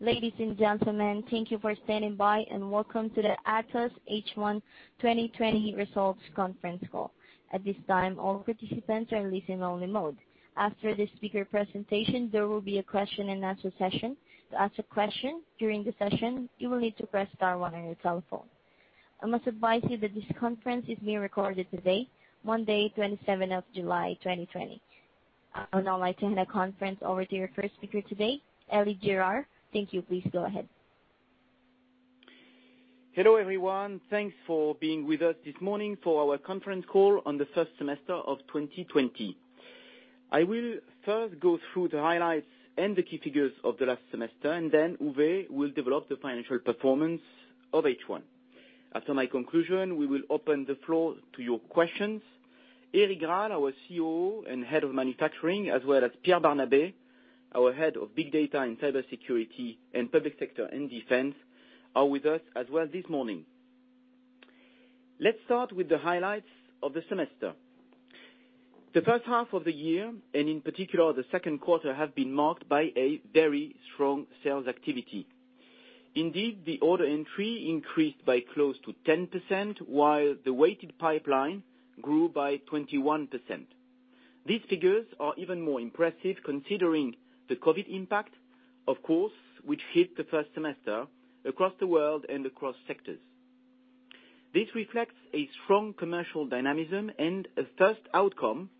Ladies and gentlemen, thank you for standing by, and welcome to the Atos H1 2020 Results Conference Call. At this time, all participants are in listen-only mode. After the speaker presentation, there will be a Q&A session. To ask a question during the session, you will need to press star one on your telephone. I must advise you that this conference is being recorded today, Monday, July 27th, 2020. I would now like to hand the conference over to your first speaker today, Elie Girard. Thank you. Please go ahead. Hello, everyone. Thanks for being with us this morning for our conference call on the first semester of 2020. I will first go through the highlights and the key figures of the last semester, and then Uwe will develop the financial performance of H1. After my conclusion, we will open the floor to your questions. Eric Grall, our COO and Head of Manufacturing, as well as Pierre Barnabé, our Head of Big Data and Cybersecurity in Public Sector and Defense, are with us as well this morning. Let's start with the highlights of the semester. The first half of the year, and in particular, the Q2, have been marked by a very strong sales activity. Indeed, the order entry increased by close to 10%, while the weighted pipeline grew by 21%. These figures are even more impressive considering the COVID impact, of course, which hit the first semester across the world and across sectors. This reflects a strong commercial dynamism and a first outcome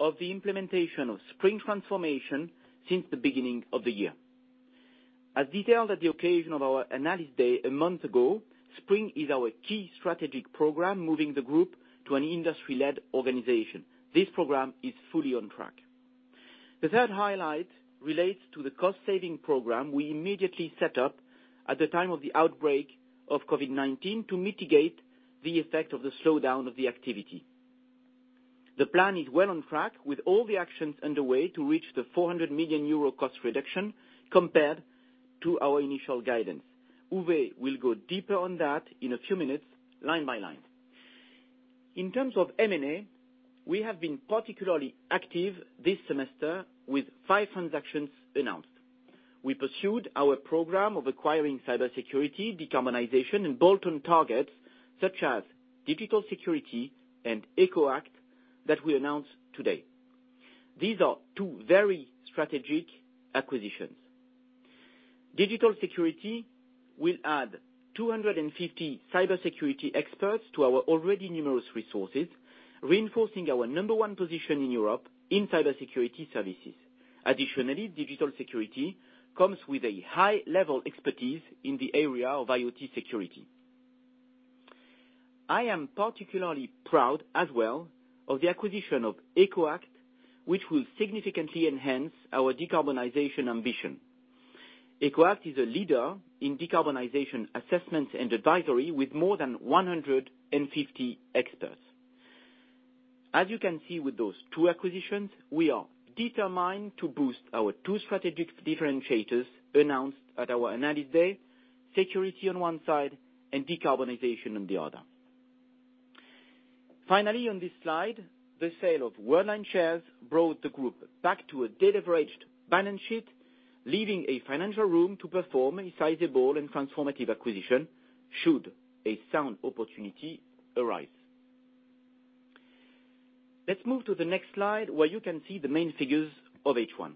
of the implementation of Spring transformation since the beginning of the year. As detailed at the occasion of our Analyst Day a month ago, Spring is our key strategic program, moving the group to an industry-led organization. This program is fully on track. The third highlight relates to the cost-saving program we immediately set up at the time of the outbreak of COVID-19 to mitigate the effect of the slowdown of the activity. The plan is well on track, with all the actions underway to reach the 400 million euro cost reduction compared to our initial guidance. Uwe will go deeper on that in a few minutes, line by line. In terms of M&A, we have been particularly active this semester with five transactions announced. We pursued our program of acquiring cybersecurity, decarbonization, and bolt-on targets, such as Digital Security and EcoAct that we announced today. These are two very strategic acquisitions. Digital Security will add 250 cybersecurity experts to our already numerous resources, reinforcing our number one position in Europe in cybersecurity services. Additionally, Digital Security comes with a high-level expertise in the area of IoT security. I am particularly proud as well of the acquisition of EcoAct, which will significantly enhance our decarbonization ambition. EcoAct is a leader in decarbonization assessments and advisory with more than 150 experts. As you can see with those two acquisitions, we are determined to boost our two strategic differentiators announced at our Analyst Day, security on one side and decarbonization on the other. Finally, on this slide, the sale of Worldline shares brought the group back to a deleveraged balance sheet, leaving a financial room to perform a sizable and transformative acquisition should a sound opportunity arise. Let's move to the next slide, where you can see the main figures of H1.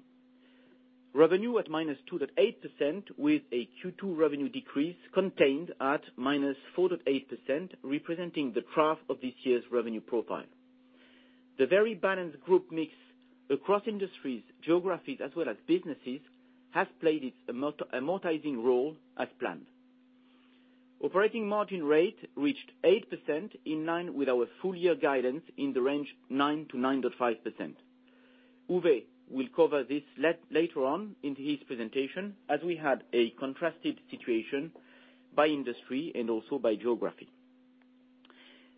Revenue at -2.8%, with a Q2 revenue decrease contained at -4.8%, representing the trough of this year's revenue profile. The very balanced group mix across industries, geographies, as well as businesses, has played its amortizing role as planned. Operating margin rate reached 8%, in line with our full-year guidance in the range 9%-9.5%. Uwe will cover this later on in his presentation, as we had a contrasted situation by industry and also by geography.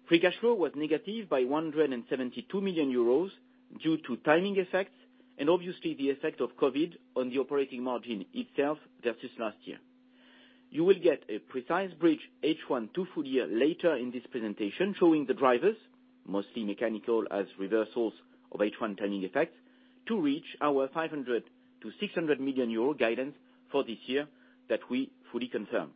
Free cash flow was negative by 172 million euros due to timing effects and obviously the effect of COVID on the operating margin itself versus last year. You will get a precise bridge H1 to full year later in this presentation, showing the drivers, mostly mechanical, as reversals of H1 timing effects, to reach our 500 million-600 million euro guidance for this year that we fully confirm.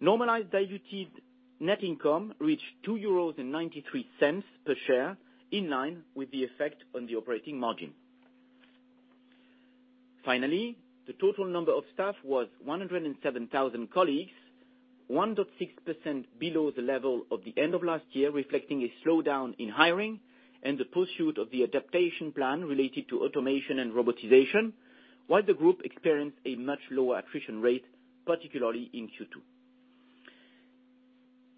Normalized diluted net income reached 2.93 euros per share, in line with the effect on the operating margin. Finally, the total number of staff was 107,000 colleagues, 1.6% below the level of the end of last year, reflecting a slowdown in hiring and the pursuit of the adaptation plan related to automation and robotization, while the group experienced a much lower attrition rate, particularly in Q2.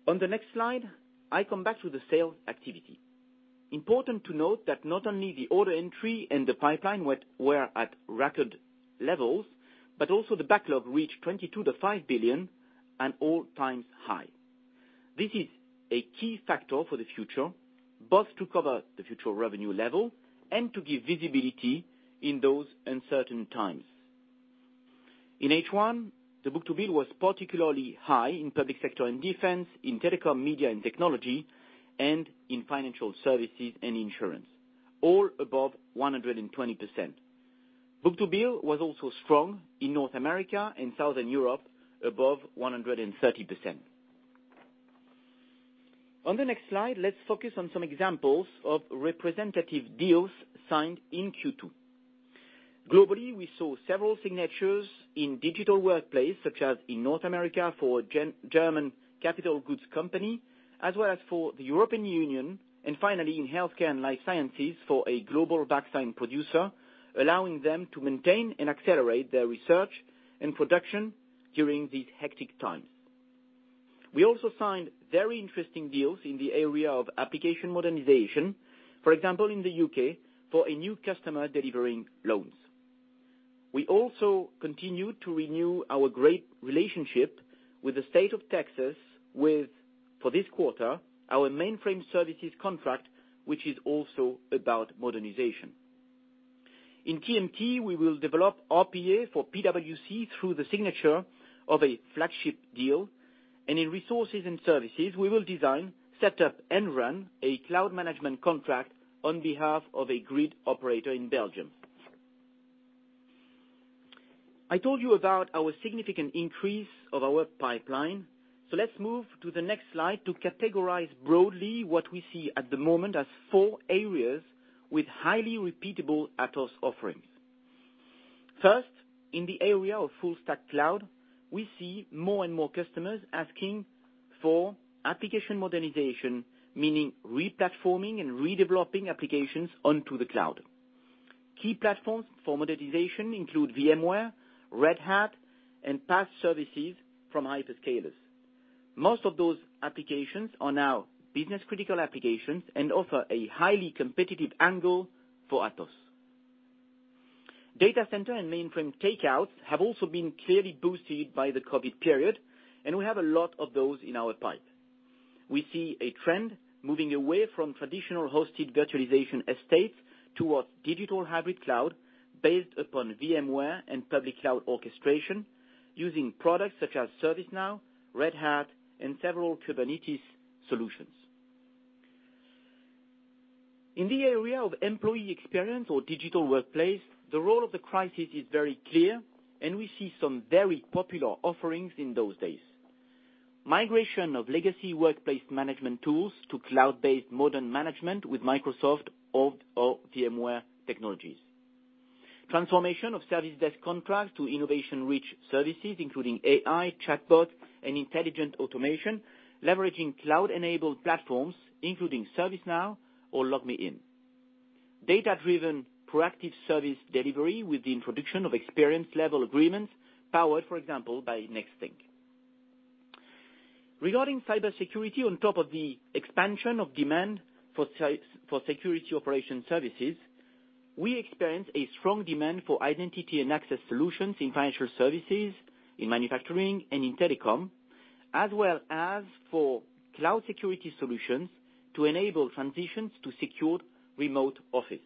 On the next slide, I come back to the sales activity. Important to note that not only the order entry and the pipeline were at record levels, but also the backlog reached 2.25 billion, an all-time high. This is a key factor for the future, both to cover the future revenue level and to give visibility in those uncertain times. In H1, the book-to-bill was particularly high in public sector and defense, in telecom, media, and technology, and in financial services and insurance, all above 120%. Book-to-bill was also strong in North America and Southern Europe, above 130%. On the next slide, let's focus on some examples of representative deals signed in Q2. Globally, we saw several signatures in digital workplace, such as in North America for a German capital goods company, as well as for the European Union, and finally in healthcare and life sciences for a global vaccine producer, allowing them to maintain and accelerate their research and production during these hectic times. We also signed very interesting deals in the area of application modernization, for example, in the U.K., for a new customer delivering loans. We also continued to renew our great relationship with the State of Texas, with, for this quarter, our mainframe services contract, which is also about modernization. In TMT, we will develop RPA for PwC through the signature of a flagship deal, and in resources and services, we will design, set up and run a cloud management contract on behalf of a grid operator in Belgium. I told you about our significant increase of our pipeline, so let's move to the next slide to categorize broadly what we see at the moment as four areas with highly repeatable Atos offerings. First, in the area of full stack cloud, we see more and more customers asking for application modernization, meaning replatforming and redeveloping applications onto the cloud. Key platforms for modernization include VMware, Red Hat, and PaaS services from hyperscalers. Most of those applications are now business-critical applications and offer a highly competitive angle for Atos. Data center and mainframe takeouts have also been clearly boosted by the Covid period, and we have a lot of those in our pipe. We see a trend moving away from traditional hosted virtualization estates towards digital hybrid cloud based upon VMware and public cloud orchestration, using products such as ServiceNow, Red Hat, and several Kubernetes solutions. In the area of employee experience or digital workplace, the role of the crisis is very clear, and we see some very popular offerings in those days. Migration of legacy workplace management tools to cloud-based modern management with Microsoft or VMware technologies. Transformation of service desk contracts to innovation-rich services, including AI, chatbot, and intelligent automation, leveraging cloud-enabled platforms, including ServiceNow or LogMeIn. Data-driven, proactive service delivery with the introduction of experience-level agreements powered, for example, by Nexthink. Regarding cybersecurity, on top of the expansion of demand for security operation services, we experienced a strong demand for identity and access solutions in financial services, in manufacturing, and in telecom, as well as for cloud security solutions to enable transitions to secured remote office.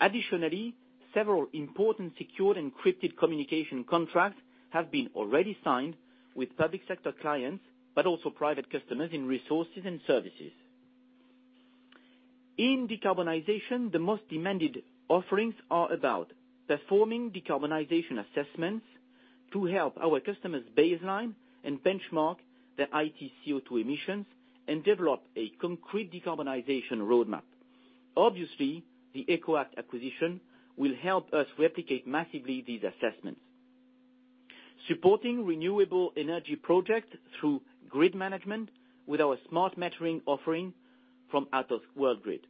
Additionally, several important secured encrypted communication contracts have been already signed with public sector clients, but also private customers in resources and services. In decarbonization, the most demanded offerings are about performing decarbonization assessments to help our customers baseline and benchmark their IT CO2 emissions and develop a concrete decarbonization roadmap. Obviously, the EcoAct acquisition will help us replicate massively these assessments. Supporting renewable energy projects through grid management with our smart metering offering from Atos WorldGrid,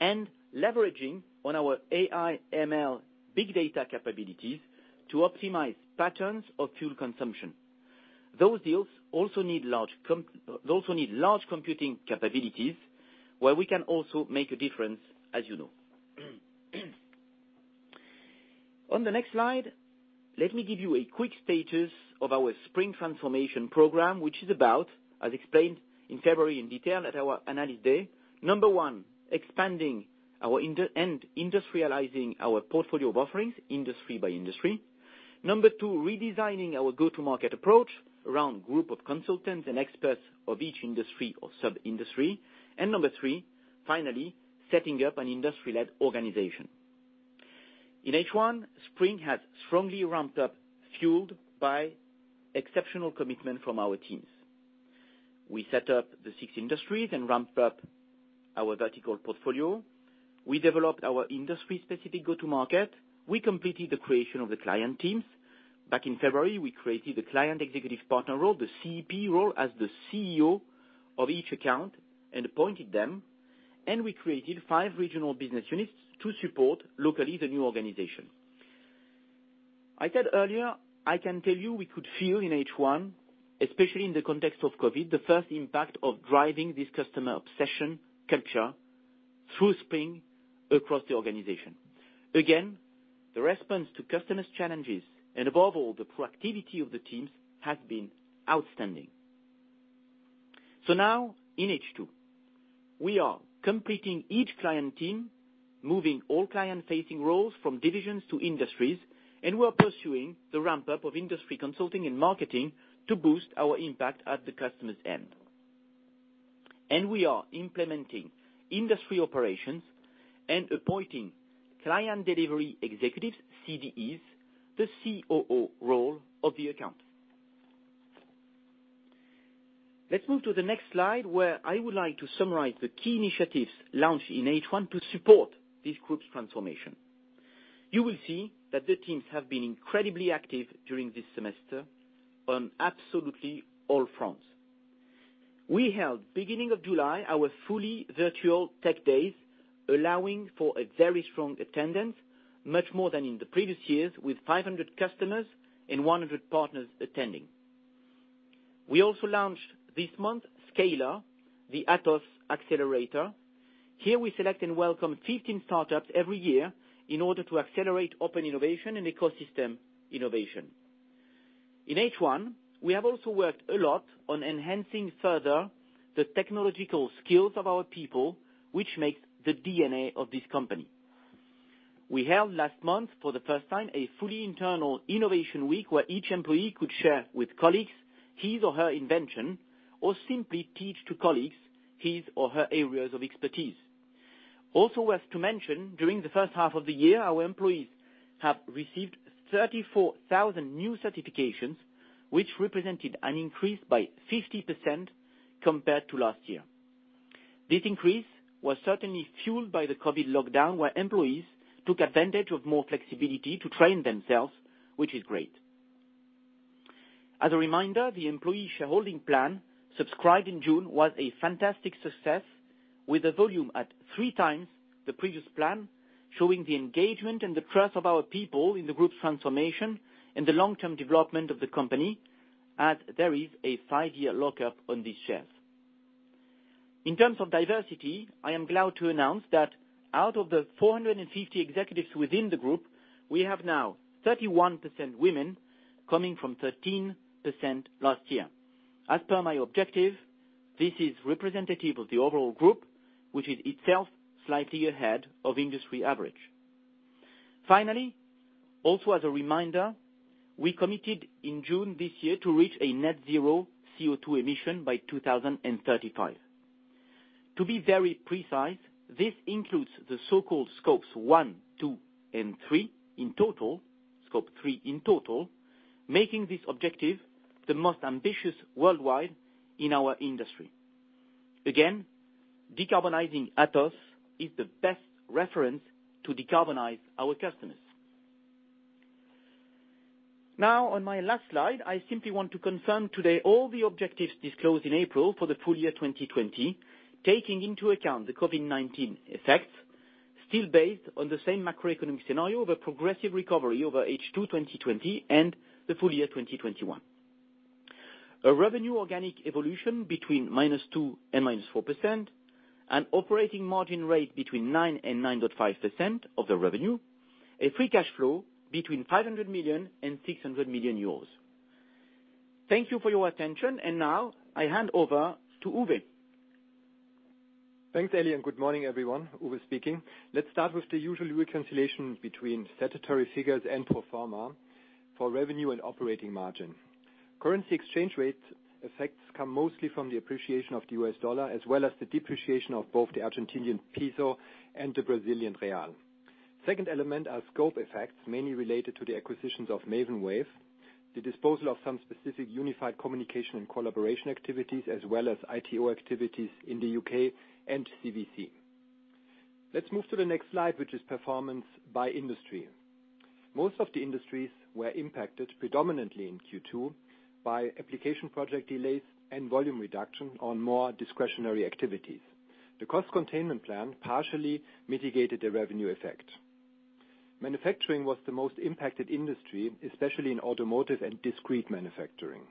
and leveraging on our AI, ML, big data capabilities to optimize patterns of fuel consumption. Those deals also need large computing capabilities, where we can also make a difference, as you know. On the next slide, let me give you a quick status of our Spring transformation program, which is about, as explained in February in detail at our Analyst Day, number one, expanding and industrializing our portfolio of offerings, industry by industry. Number two, redesigning our go-to-market approach around group of consultants and experts of each industry or sub-industry, and number three, finally, setting up an industry-led organization. In H1, Spring has strongly ramped up, fueled by exceptional commitment from our teams. We set up the six industries and ramped up our vertical portfolio. We developed our industry-specific go-to-market. We completed the creation of the client teams. Back in February, we created the Client Executive Partner role, the CEP role, as the CEO of each account and appointed them, and we created five regional business units to support locally the new organization. I said earlier, I can tell you we could feel in H1, especially in the context of Covid, the first impact of driving this customer obsession culture through Spring across the organization. Again, the response to customers' challenges, and above all, the proactivity of the teams, has been outstanding. Now, in H2, we are completing each client team moving all client-facing roles from divisions to industries, and we are pursuing the ramp up of industry consulting and marketing to boost our impact at the customer's end. We are implementing industry operations and appointing client delivery executives, CDEs, the COO role of the account. Let's move to the next slide, where I would like to summarize the key initiatives launched in H1 to support this group's transformation. You will see that the teams have been incredibly active during this semester on absolutely all fronts. We held, beginning of July, our fully virtual Tech Days, allowing for a very strong attendance, much more than in the previous years, with 500 customers and 100 partners attending. We also launched this month, Scaler, the Atos accelerator. Here we select and welcome 15 startups every year in order to accelerate open innovation and ecosystem innovation. In H1, we have also worked a lot on enhancing further the technological skills of our people, which makes the DNA of this company. We held last month, for the first time, a fully internal innovation week, where each employee could share with colleagues his or her invention, or simply teach to colleagues his or her areas of expertise. Also, worth to mention, during the first half of the year, our employees have received 34,000 new certifications, which represented an increase by 50% compared to last year. This increase was certainly fueled by the COVID lockdown, where employees took advantage of more flexibility to train themselves, which is great. As a reminder, the employee shareholding plan subscribed in June was a fantastic success, with the volume at three times the previous plan, showing the engagement and the trust of our people in the group's transformation and the long-term development of the company, as there is a five-year lockup on these shares. In terms of diversity, I am glad to announce that out of the 450 executives within the group, we have now 31% women, coming from 13% last year. As per my objective, this is representative of the overall group, which is itself slightly ahead of industry average. Finally, also as a reminder, we committed in June this year to reach a net zero CO2 emission by 2035. To be very precise, this includes the so-called Scope 1, 2, and 3 in total, Scope 3 in total, making this objective the most ambitious worldwide in our industry. Again, decarbonizing Atos is the best reference to decarbonize our customers. Now, on my last slide, I simply want to confirm today all the objectives disclosed in April for the full year 2020, taking into account the COVID-19 effects, still based on the same macroeconomic scenario of a progressive recovery over H2 2 and the full year 2021. A revenue organic evolution between -2% and -4%, an operating margin rate between 9%-9.5% of the revenue, a free cash flow between 500 million and 600 million euros. Thank you for your attention, and now I hand over to Uwe. Thanks, Elie, and good morning, everyone. Uwe speaking. Let's start with the usual reconciliation between statutory figures and pro forma for revenue and operating margin. Currency exchange rate effects come mostly from the appreciation of the U.S. dollar, as well as the depreciation of both the Argentinian peso and the Brazilian real. Second element are scope effects, mainly related to the acquisitions of Maven Wave, the disposal of some specific unified communication and collaboration activities, as well as ITO activities in the U.K. and uncertain. Let's move to the next slide, which is performance by industry. Most of the industries were impacted predominantly in Q2 by application project delays and volume reduction on more discretionary activities. The cost containment plan partially mitigated the revenue effect. Manufacturing was the most impacted industry, especially in automotive and discrete manufacturing.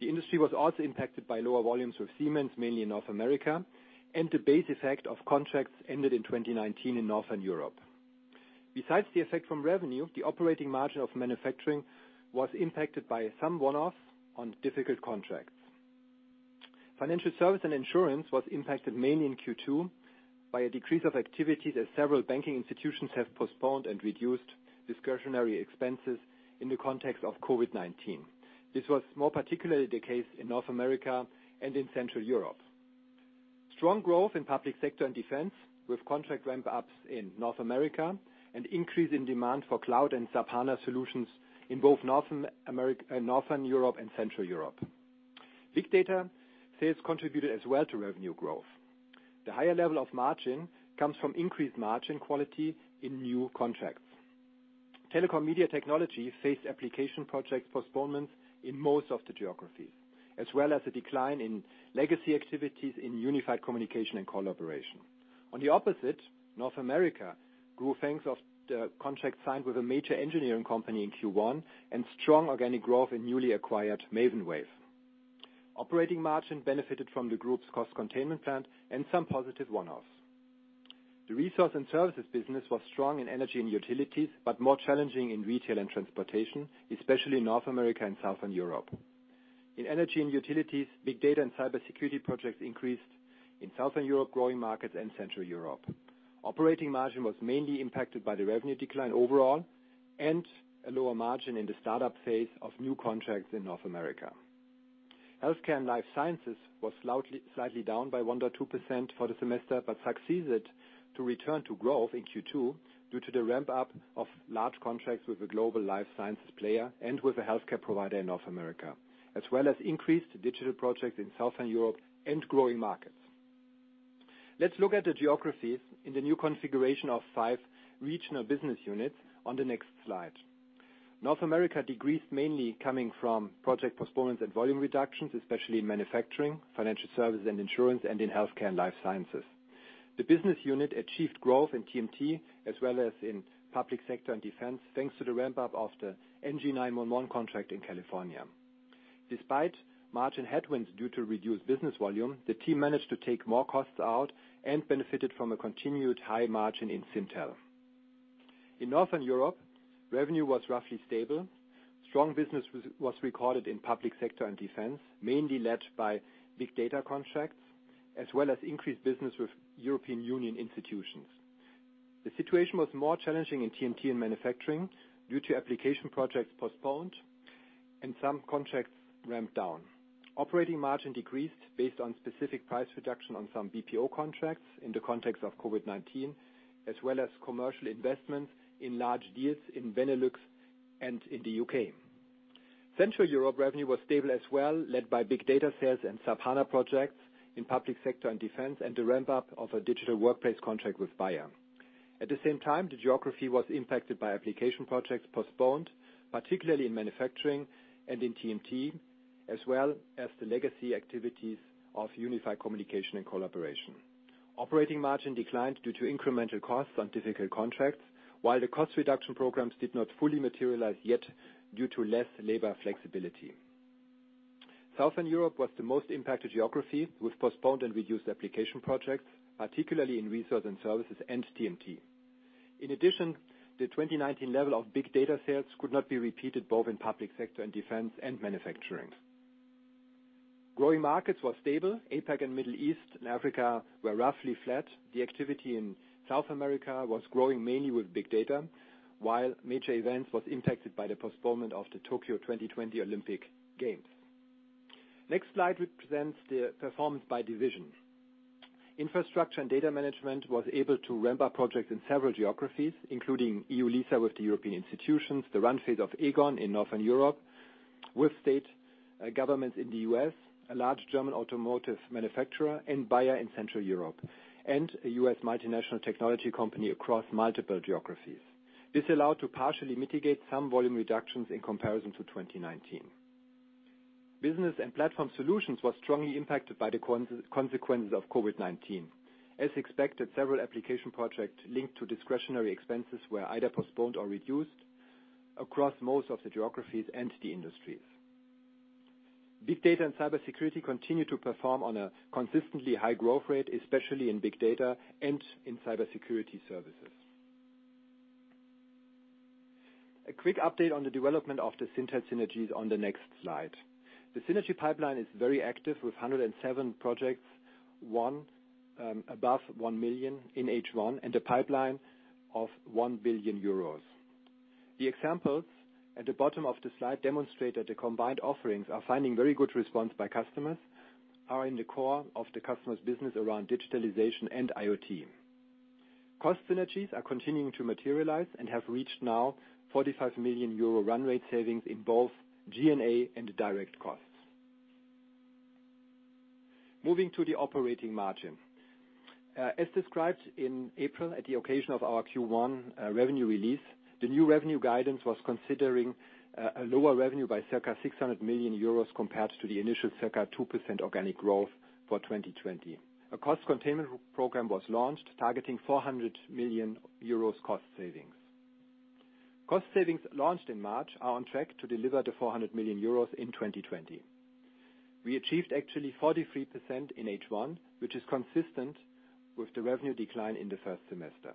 The industry was also impacted by lower volumes with Siemens, mainly in North America, and the base effect of contracts ended in 2019 in Northern Europe. Besides the effect from revenue, the operating margin of manufacturing was impacted by some one-offs on difficult contracts. Financial service and Insurance was impacted mainly in Q2 by a decrease of activity, as several banking institutions have postponed and reduced discretionary expenses in the context of COVID-19. This was more particularly the case in North America and in Central Europe. Strong growth in public sector and defense, with contract ramp-ups in North America and increase in demand for cloud and SAP HANA solutions in both Northern Europe and Central Europe. Big Data sales contributed as well to revenue growth. The higher level of margin comes from increased margin quality in new contracts. Telecom media technology faced application project postponements in most of the geographies, as well as a decline in legacy activities in unified communication and collaboration. On the opposite, North America grew thanks to the contract signed with a major engineering company in Q1, and strong organic growth in newly acquired Maven Wave. Operating margin benefited from the group's cost containment plan and some positive one-offs. The Resource and Services business was strong in energy and utilities, but more challenging in retail and transportation, especially in North America and Southern Europe. In energy and utilities, big data and cybersecurity projects increased in Southern Europe, growing markets, and Central Europe. Operating margin was mainly impacted by the revenue decline overall and a lower margin in the startup phase of new contracts in North America. Healthcare and life sciences was slightly down by 1.2% for the semester, but succeeded to return to growth in Q2, due to the ramp up of large contracts with a global life sciences player and with a healthcare provider in North America, as well as increased digital projects in Southern Europe and growing markets. Let's look at the geographies in the new configuration of five regional business units on the next slide. North America decreased, mainly coming from project postponements and volume reductions, especially in manufacturing, financial services and insurance, and in healthcare and life sciences. The business unit achieved growth in TMT, as well as in public sector and defense, thanks to the ramp up of the NG911 contract in California. Despite margin headwinds due to reduced business volume, the team managed to take more costs out and benefited from a continued high margin in Syntel. In Northern Europe, revenue was roughly stable. Strong business was recorded in public sector and defense, mainly led by big data contracts, as well as increased business with European Union institutions. The situation was more challenging in TMT and manufacturing due to application projects postponed and some contracts ramped down. Operating margin decreased based on specific price reduction on some BPO contracts in the context of COVID-19, as well as commercial investments in large deals in Benelux and in the U.K. Central Europe revenue was stable as well, led by big data sales and SAP HANA projects in public sector and defense, and the ramp up of a digital workplace contract with Bayer. At the same time, the geography was impacted by application projects postponed, particularly in manufacturing and in TMT, as well as the legacy activities of unified communication and collaboration. Operating margin declined due to incremental costs on difficult contracts, while the cost reduction programs did not fully materialize yet due to less labor flexibility. Southern Europe was the most impacted geography, with postponed and reduced application projects, particularly in resources and services and TMT. In addition, the 2019 level of Big Data sales could not be repeated, both in public sector and defense and manufacturing. Growing markets were stable. APAC and Middle East and Africa were roughly flat. The activity in South America was growing mainly with Big Data, while Major Events was impacted by the postponement of the Tokyo 2020 Olympic Games. Next slide represents the performance by division. Infrastructure and data management was able to ramp up projects in several geographies, including eu-LISA with the European institutions, the run phase of Aegon in Northern Europe, with state governments in the U.S., a large German automotive manufacturer, and Bayer in Central Europe, and a U.S. multinational technology company across multiple geographies. This allowed to partially mitigate some volume reductions in comparison to 2019. Business and platform solutions was strongly impacted by the consequences of COVID-19. As expected, several application projects linked to discretionary expenses were either postponed or reduced across most of the geographies and the industries. Big data and cybersecurity continue to perform on a consistently high growth rate, especially in big data and in cybersecurity services. A quick update on the development of the Syntel synergies on the next slide. The synergy pipeline is very active, with 107 projects, 1 above 1 million in H1, and a pipeline of 1 billion euros. The examples at the bottom of the slide demonstrate that the combined offerings are finding very good response by customers, are in the core of the customer's business around digitalization and IoT. Cost synergies are continuing to materialize and have reached now 45 million euro run rate savings in both G&A and direct costs. Moving to the operating margin. As described in April at the occasion of our Q1 revenue release, the new revenue guidance was considering a lower revenue by circa 600 million euros compared to the initial circa 2% organic growth for 2020. A cost containment program was launched, targeting 400 million euros cost savings. Cost savings launched in March are on track to deliver 400 million euros in 2020. We achieved actually 43% in H1, which is consistent with the revenue decline in the first semester.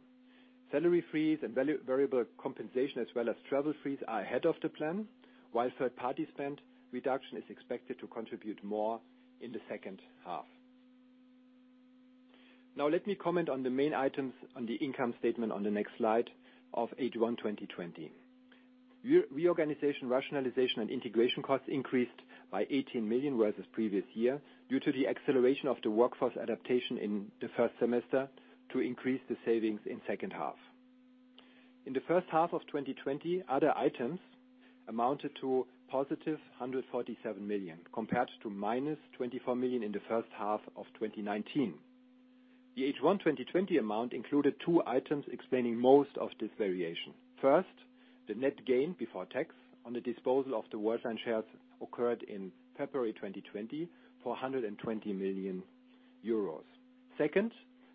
Salary freeze and variable compensation, as well as travel freeze, are ahead of the plan, while third party spend reduction is expected to contribute more in the second half. Now, let me comment on the main items on the income statement on the next slide of H1, 2020. Reorganization, rationalization, and integration costs increased by 18 million versus previous year due to the acceleration of the workforce adaptation in the first semester to increase the savings in second half. In the first half of 2020, other items amounted to positive 147 million, compared to -24 million in the first half of 2019. The H1 2020 amount included two items explaining most of this variation. First, the net gain before tax on the disposal of the Worldline shares occurred in February 2020 for 120 million euros. Second,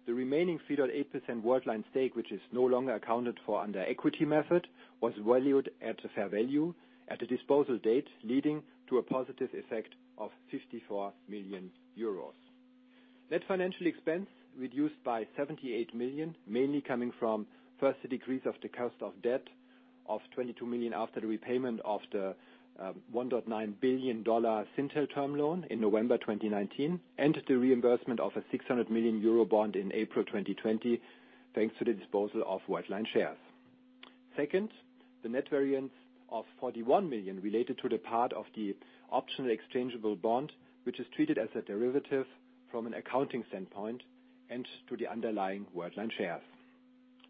the remaining 3.8% Worldline stake, which is no longer accounted for under equity method, was valued at fair value at the disposal date, leading to a positive effect of 54 million euros. Net financial expense reduced by 78 million, mainly coming from, first, the decrease of the cost of debt of 22 million after the repayment of the $1.9 billion Syntel term loan in November 2019, and the reimbursement of a 600 million euro bond in April 2020, thanks to the disposal of Worldline shares. Second, the net variance of 41 million related to the part of the optional exchangeable bond, which is treated as a derivative from an accounting standpoint and to the underlying Worldline shares.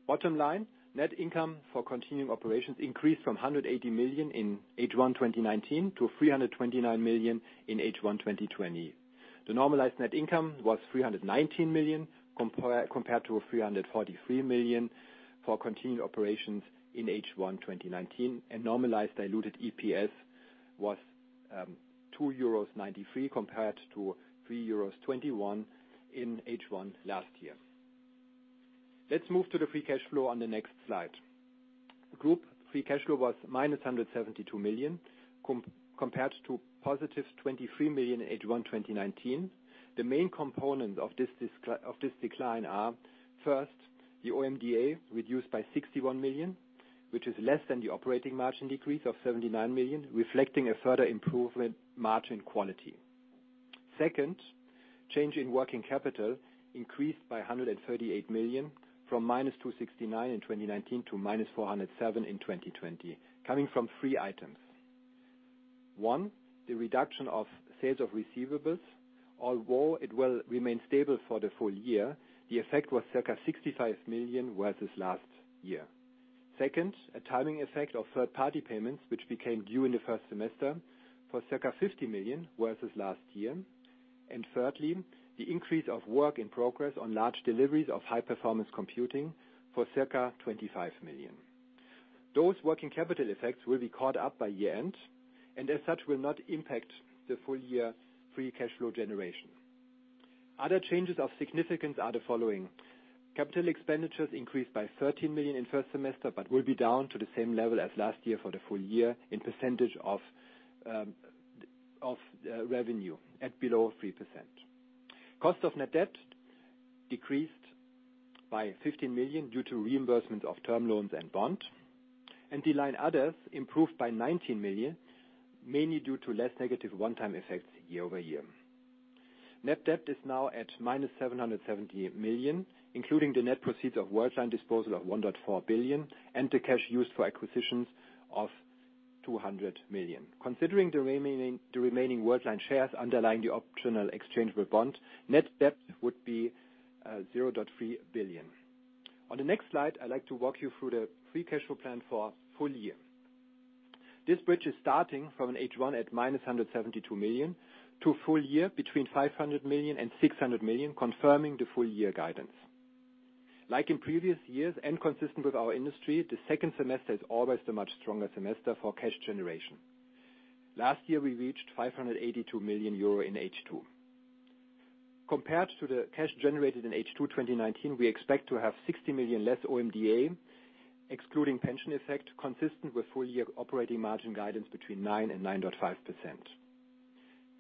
Bottom line, net income for continuing operations increased from 180 million in H1 2019 to 329 million in H1 2020. The normalized net income was 319 million, compared to 343 million for continued operations in H1 2019. And normalized diluted EPS was 2.93 euros compared to 3.21 euros in H1 last year. Let's move to the free cash flow on the next slide. Group free cash flow was -172 million, compared to 23 million in H1 2019. The main component of this decline are, first, the OMDA, reduced by 61 million, which is less than the operating margin decrease of 79 million, reflecting a further improvement margin quality. Second, change in working capital increased by 138 million from -269 in 2019 to -407 in 2020, coming from three items. One, the reduction of sales of receivables, although it will remain stable for the full year, the effect was circa 65 million versus last year. Second, a timing effect of third-party payments, which became due in the first semester for circa 50 million versus last year. And thirdly, the increase of work in progress on large deliveries of high-performance computing for circa 25 million. Those working capital effects will be caught up by year-end, and as such, will not impact the full year free cash flow generation. Other changes of significance are the following: Capital expenditures increased by 13 million in first semester, but will be down to the same level as last year for the full year in percentage of revenue, at below 3%. Cost of net debt decreased by 15 million due to reimbursement of term loans and bond. The line others improved by 19 million, mainly due to less negative one-time effects year over year. Net debt is now at -778 million, including the net proceeds of Worldline disposal of 1.4 billion, and the cash used for acquisitions of 200 million. Considering the remaining Worldline shares underlying the optional exchangeable bond, net debt would be 0.3 billion. On the next slide, I'd like to walk you through the free cash flow plan for full year. This bridge is starting from an H1 at -172 million to full year between 500 million and 600 million, confirming the full year guidance. Like in previous years, and consistent with our industry, the second semester is always the much stronger semester for cash generation. Last year, we reached 582 million euro in H2. Compared to the cash generated in H2 2019, we expect to have 60 million less OMDA, excluding pension effect, consistent with full year operating margin guidance between 9% and 9.5%.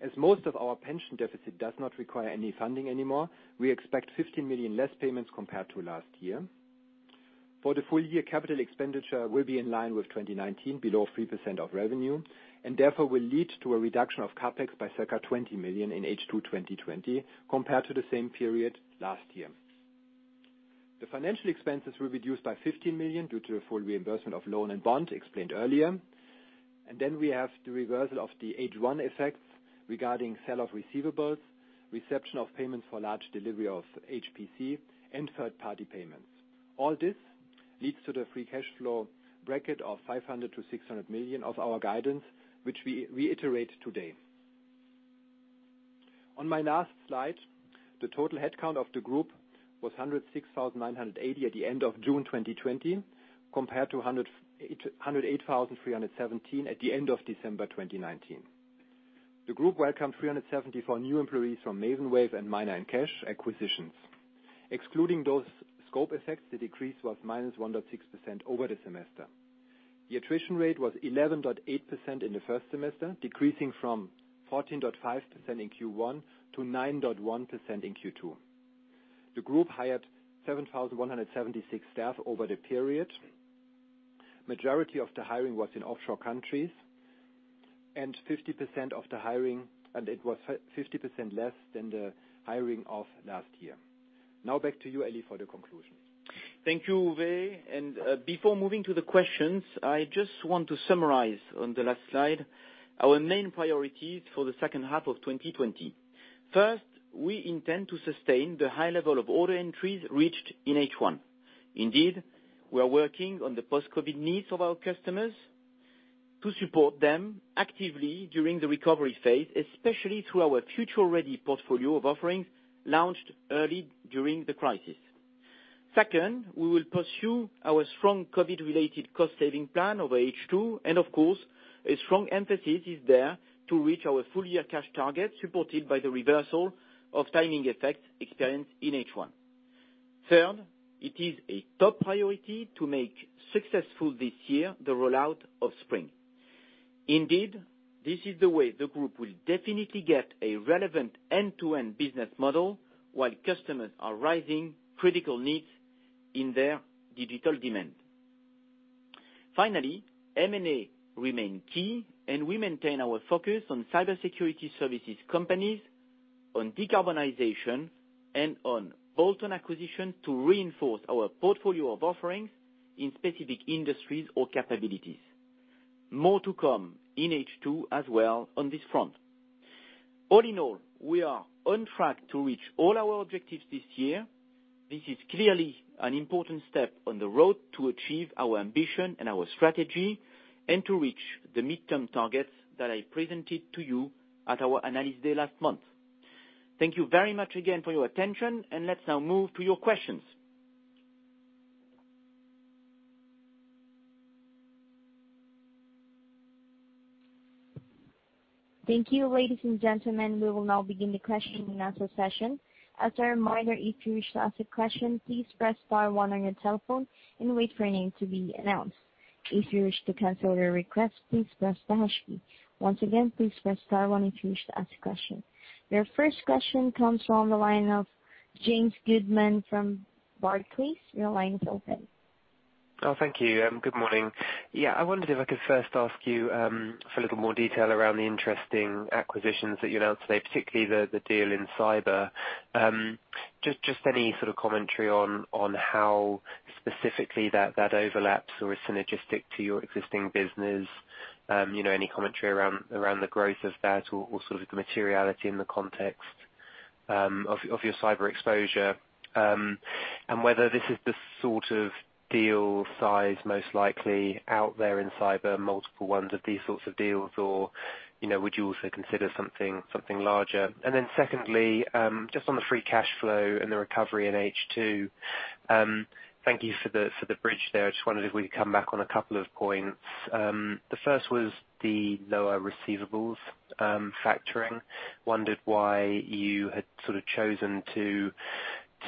As most of our pension deficit does not require any funding anymore, we expect 15 million less payments compared to last year. For the full year, capital expenditure will be in line with 2019, below 3% of revenue, and therefore will lead to a reduction of CapEx by circa 20 million in H2 2020 compared to the same period last year. The financial expenses were reduced by 15 million due to a full reimbursement of loan and bond, explained earlier. Then we have the reversal of the H1 effects regarding sale of receivables, receipt of payments for large delivery of HPC, and third-party payments. All this leads to the free cash flow bracket of 500 million-600 million of our guidance, which we reiterate today. On my last slide, the total headcount of the group was 106,980 at the end of June 2020, compared to 108,317 at the end of December 2019. The group welcomed 374 new employees from Maven Wave and Miner & Kasch acquisitions. Excluding those scope effects, the decrease was minus 1.6% over the semester. The attrition rate was 11.8% in the first semester, decreasing from 14.5% in Q1 to 9.1% in Q2. The group hired 7,176 staff over the period. The majority of the hiring was in offshore countries, and 50% of the hiring, and it was 50% less than the hiring of last year. Now back to you, Elie, for the conclusion. Thank you, Uwe. And, before moving to the questions, I just want to summarize on the last slide our main priorities for the second half of 2020. First, we intend to sustain the high level of order entries reached in H1. Indeed, we are working on the post-COVID needs of our customers to support them actively during the recovery phase, especially through our future-ready portfolio of offerings launched early during the crisis. Second, we will pursue our strong COVID-related cost saving plan over H2, and of course, a strong emphasis is there to reach our full year cash target, supported by the reversal of timing effects experienced in H1. Third, it is a top priority to make successful this year the rollout of Spring. Indeed, this is the way the group will definitely get a relevant end-to-end business model, while customers are raising critical needs in their digital demand. Finally, M&A remain key, and we maintain our focus on cybersecurity services companies, on decarbonization, and on bolt-on acquisition to reinforce our portfolio of offerings in specific industries or capabilities. More to come in H2 as well on this front. All in all, we are on track to reach all our objectives this year. This is clearly an important step on the road to achieve our ambition and our strategy, and to reach the mid-term targets that I presented to you at our Analyst Day last month. Thank you very much again for your attention, and let's now move to your questions. Thank you, ladies and gentlemen. We will now begin the Q&A session. As a reminder, if you wish to ask a question, please press star one on your telephone and wait for your name to be announced. If you wish to cancel your request, please press the #key. Once again, please press star one if you wish to ask a question. Your first question comes from the line of James Goodman from Barclays. Your line is open. Oh, thank you, good morning. Yeah, I wondered if I could first ask you for a little more detail around the interesting acquisitions that you announced today, particularly the deal in cyber. Just any sort of commentary on how specifically that overlaps or is synergistic to your existing business. You know, any commentary around the growth of that or sort of the materiality in the context of your cyber exposure, and whether this is the sort of deal size most likely out there in cyber, multiple ones of these sorts of deals? Or, you know, would you also consider something larger? And then secondly, just on the free cash flow and the recovery in H2, thank you for the bridge there. I just wondered if we could come back on a couple of points. The first was the lower receivables, factoring. Wondered why you had sort of chosen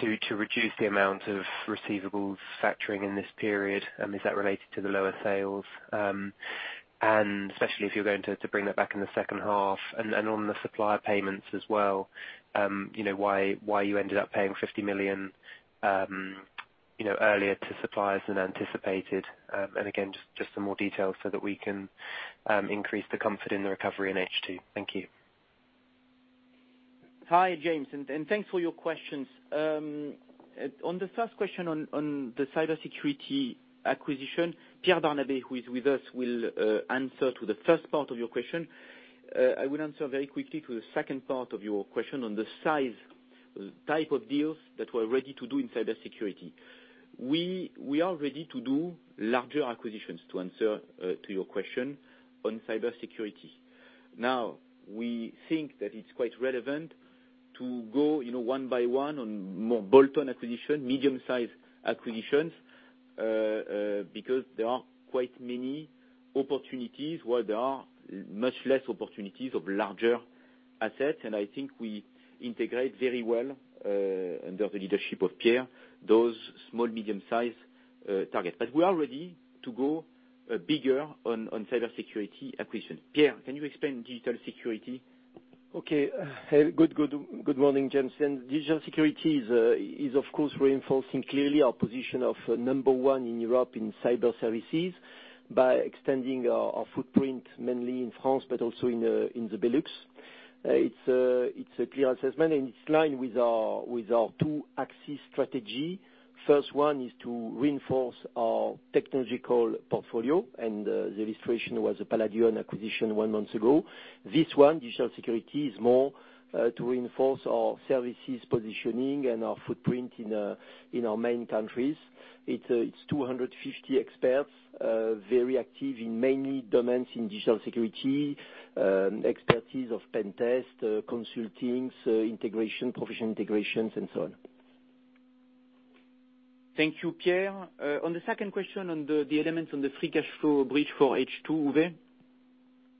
to reduce the amount of receivables factoring in this period, and is that related to the lower sales? And especially if you're going to bring that back in the second half. And on the supplier payments as well, you know, why you ended up paying 50 million, you know, earlier to suppliers than anticipated. And again, just some more details so that we can increase the comfort in the recovery in H2. Thank you. Hi, James, and thanks for your questions. On the first question on the cybersecurity acquisition, Pierre Barnabé, who is with us, will answer to the first part of your question. I will answer very quickly to the second part of your question on the size, type of deals that we're ready to do in cybersecurity. We are ready to do larger acquisitions, to answer to your question on cybersecurity. Now, we think that it's quite relevant to go, you know, one by one on more bolt-on acquisitions, medium-sized acquisitions, because there are quite many opportunities where there are much less opportunities of larger assets. And I think we integrate very well under the leadership of Pierre, those small, medium-sized targets. But we are ready to go bigger on cybersecurity acquisition. Pierre, can you explain Digital Security? Okay. Good morning, James. And Digital Security is, of course, reinforcing clearly our position of number one in Europe in cyber services by extending our footprint, mainly in France, but also in the Benelux. It's a clear assessment, and it's in line with our two-axis strategy. First one is to reinforce our technological portfolio, and the illustration was the Paladion acquisition one month ago. This one, Digital Security, is more to reinforce our services positioning and our footprint in our main countries. It's 250 experts, very active in many domains in digital security, expertise of pen test, consulting, integration, professional integrations and so on. Thank you, Pierre. On the second question on the elements on the Free Cash Flow bridge for H2, Uwe?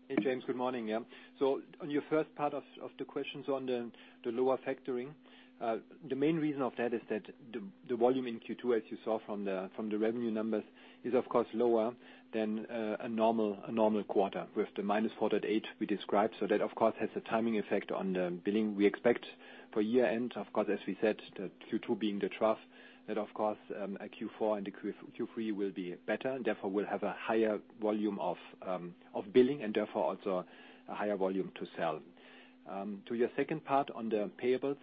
Hey, James, good morning. Yeah, so on your first part of the questions on the lower factoring, the main reason of that is that the volume in Q2, as you saw from the revenue numbers, is of course lower than a normal quarter with the -4.8% we described. So that, of course, has a timing effect on the billing we expect for year-end. Of course, as we said, that Q2 being the trough, that of course, Q4 and Q3 will be better, therefore will have a higher volume of billing, and therefore also a higher volume to sell. To your second part on the payables,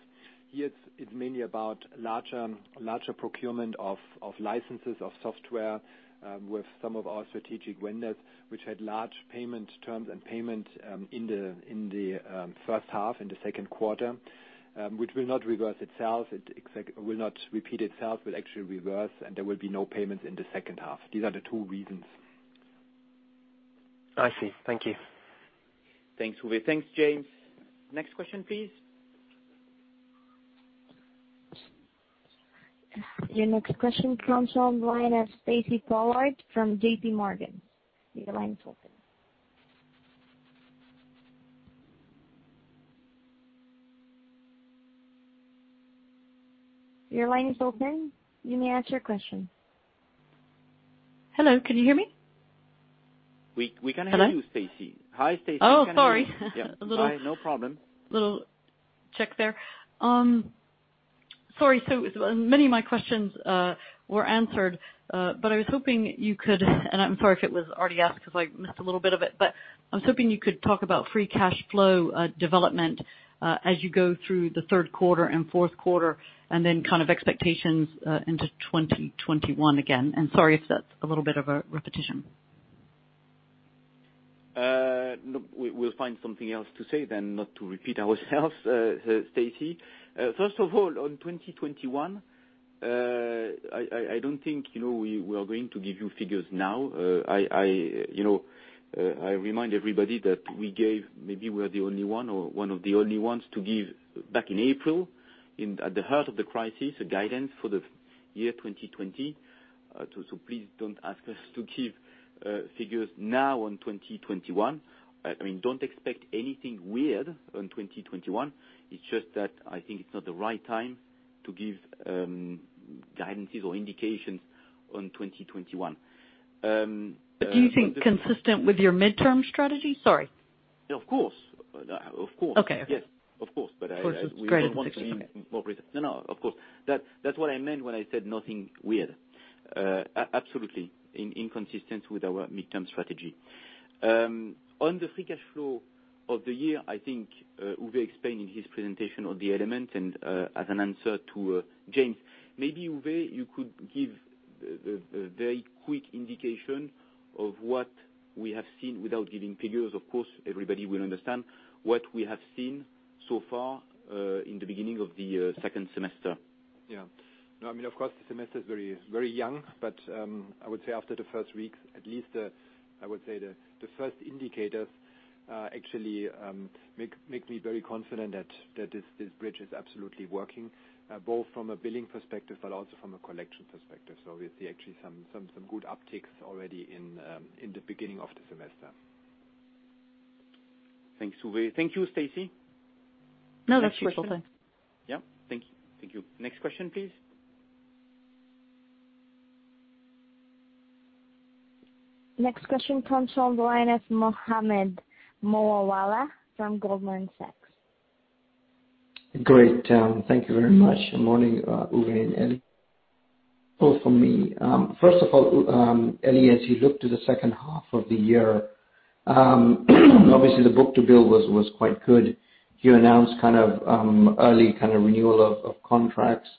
here it's mainly about larger procurement of licenses of software with some of our strategic vendors, which had large payment terms and payment in the first half, in the Q2, which will not reverse itself, will not repeat itself, will actually reverse, and there will be no payments in the second half. These are the two reasons. I see. Thank you. Thanks, Uwe. Thanks, James. Next question, please. Your next question comes from the line of Stacy Pollard from J.P. Morgan. Your line is open. Your line is open. You may ask your question. Hello, can you hear me? We can hear you, Stacy. Hello? Hi, Stacy. Oh, sorry. Yeah. A little- No problem. Little check there. Sorry, so many of my questions were answered, but I was hoping you could, and I'm sorry if it was already asked because I missed a little bit of it, but I was hoping you could talk about free cash flow development, as you go through the Q3 and Q4, and then kind of expectations into 2021 again, and sorry if that's a little bit of a repetition. No, we'll find something else to say then, not to repeat ourselves, Stacy. First of all, on 2021, I don't think, you know, we are going to give you figures now. I, you know, I remind everybody that we gave, maybe we are the only one or one of the only ones to give back in April, at the heart of the crisis, a guidance for the year 2020. So please don't ask us to give figures now on 2021. I mean, don't expect anything weird on 2021. It's just that I think it's not the right time to give guidances or indications on 2021. Do you think consistent with your mid-term strategy? Sorry. Of course. Of course. Okay. Yes, of course. But Of course, it's great. No, of course. That's what I meant when I said nothing weird. Absolutely, inconsistent with our midterm strategy. On the free cash flow of the year, I think Uwe explained in his presentation on the elements and as an answer to James. Maybe, Uwe, you could give the very quick indication of what we have seen without giving figures, of course. Everybody will understand what we have seen so far in the beginning of the second semester. Yeah. No, I mean, of course, the semester is very, very young, but I would say after the first week at least, I would say the first indicators actually make me very confident that this bridge is absolutely working both from a billing perspective, but also from a collection perspective. So we see actually some good upticks already in the beginning of the semester. Thanks, Uwe. Thank you, Stacy. No, that's perfectly. Yeah. Thank you. Thank you. Next question, please. Next question comes on the line is Mohammed Moawalla from Goldman Sachs. Great, thank you very much. Good morning, Uwe and Elie. Well, for me, first of all, Elie, as you look to the second half of the year, obviously, the book-to-bill was quite good. You announced kind of early kind of renewal of contracts.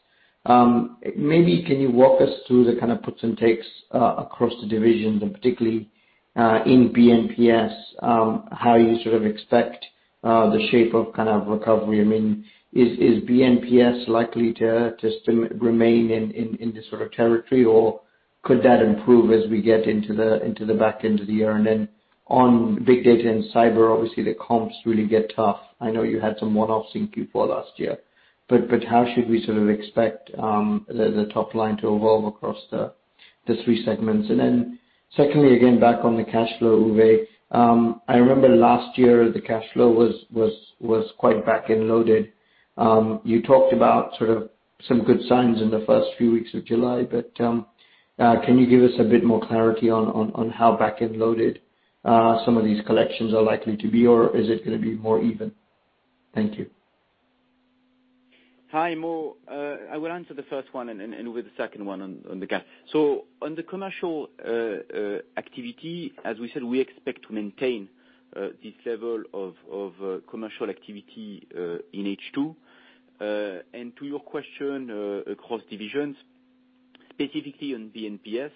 Maybe can you walk us through the kind of puts and takes across the divisions, and particularly in B&PS, how you sort of expect the shape of kind of recovery? I mean, is B&PS likely to still remain in this sort of territory, or could that improve as we get into the back end of the year? And then on big data and cyber, obviously, the comps really get tough. I know you had some one-offs in Q4 last year, but how should we sort of expect the top line to evolve across the three segments? And then, secondly, again, back on the cash flow, Uwe. I remember last year, the cash flow was quite back-end loaded. You talked about sort of some good signs in the first few weeks of July, but can you give us a bit more clarity on how back-end loaded some of these collections are likely to be, or is it gonna be more even? Thank you. Hi, Mo. I will answer the first one, and with the second one on the cash, so on the commercial activity, as we said, we expect to maintain this level of commercial activity in H2, and to your question, across divisions, specifically on B&PS,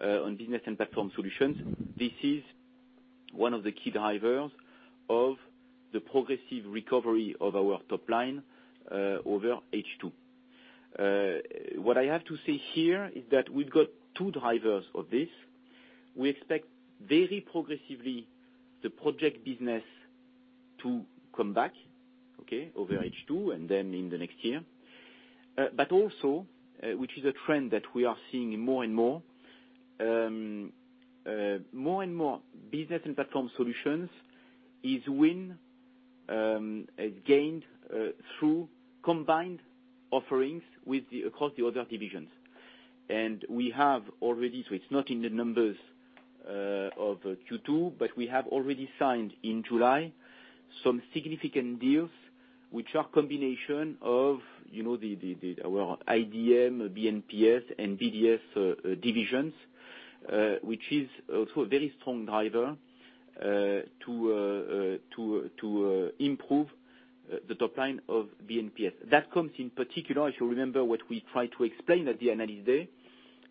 on business and platform solutions, this is one of the key drivers of the progressive recovery of our top line over H2. What I have to say here is that we've got two drivers of this. We expect very progressively the project business to come back, okay, over H2, and then in the next year. But also, which is a trend that we are seeing more and more business and platform solutions are won through combined offerings across the other divisions. So it's not in the numbers of Q2, but we have already signed in July some significant deals which are a combination of, you know, our IDM, BNPS, and BDS divisions, which is also a very strong driver to improve the top line of BNPS. That comes in particular, if you remember what we tried to explain at the Analysis day,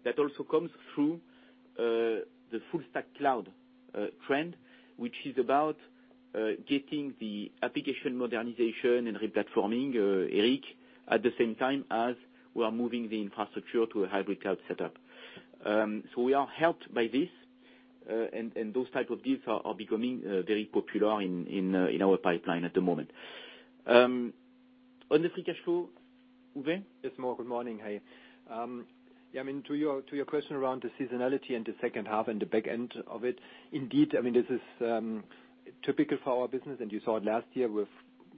that also comes through the Full Stack Cloud trend, which is about getting the application modernization and replatforming, Eric, at the same time as we are moving the infrastructure to a hybrid cloud setup, so we are helped by this, and those type of deals are becoming very popular in our pipeline at the moment. On the free cash flow, Uwe? Yes, Mo, good morning. Hey. Yeah, I mean, to your question around the seasonality in the second half and the back end of it, indeed, I mean, this is typical for our business, and you saw it last year with,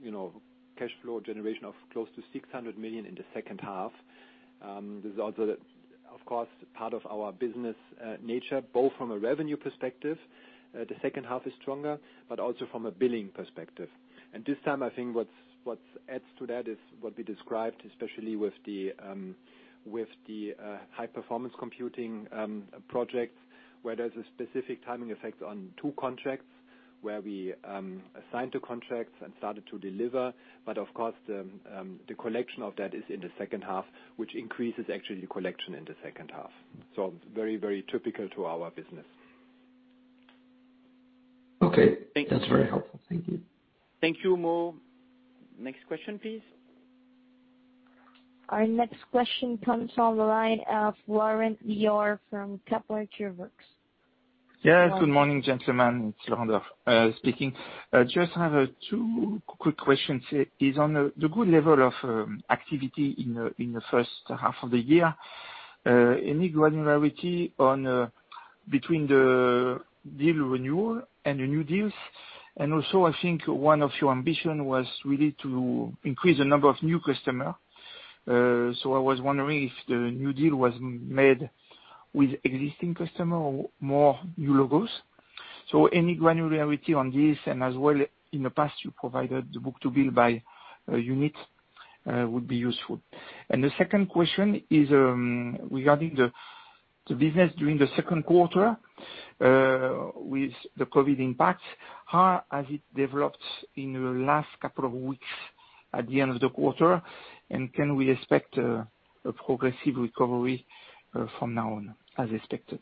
you know, cash flow generation of close to 600 million in the second half. This is also, of course, part of our business nature, both from a revenue perspective, the second half is stronger, but also from a billing perspective. This time, I think what adds to that is what we described, especially with the High Performance Computing projects, where there's a specific timing effect on two contracts where we assigned the contracts and started to deliver. But of course, the collection of that is in the second half, which increases actually the collection in the second half. So very, very typical to our business. Okay. Thank you. That's very helpful. Thank you. Thank you, Mo. Next question, please. Our next question comes from the line of Laurent Daure from Kepler Cheuvreux. Yes, good morning, gentlemen, it's Laurent speaking. Just have two quick questions. On the good level of activity in the first half of the year, any granularity on between the deal renewal and the new deals? And also, I think one of your ambition was really to increase the number of new customer. So I was wondering if the new deal was made with existing customer or more new logos. So any granularity on this, and as well, in the past, you provided the book-to-bill by unit would be useful. And the second question is regarding the business during the Q2 with the COVID impact, how has it developed in the last couple of weeks at the end of the quarter? Can we expect a progressive recovery from now on, as expected?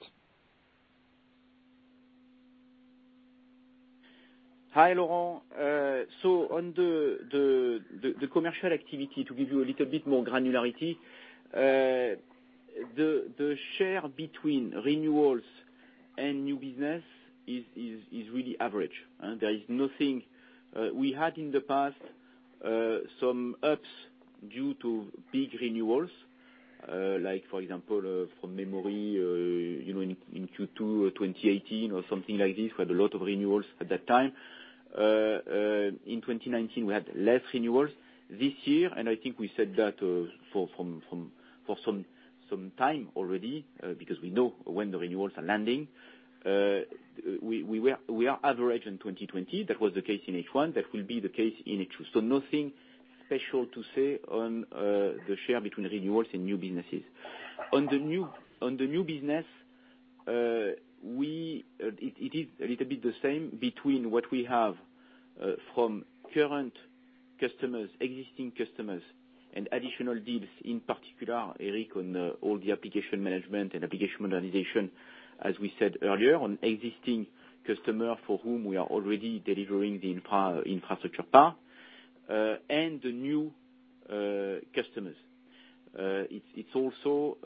Hi, Laurent. So on the commercial activity, to give you a little bit more granularity, the share between renewals and new business is really average, and there is nothing. We had in the past some ups due to big renewals, like for example, from memory, you know, in Q2 or 2018 or something like this, we had a lot of renewals at that time. In 2019, we had less renewals. This year, and I think we said that, for some time already, because we know when the renewals are landing, we are average in 2020. That was the case in H1. That will be the case in H2. Nothing special to say on the share between renewals and new businesses. On the new business, we, it is a little bit the same between what we have from current customers, existing customers, and additional deals, in particular, Eric, on all the application management and application modernization, as we said earlier, on existing customer for whom we are already delivering the infrastructure part, and the new customers. It's also